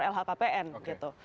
dia harus lapor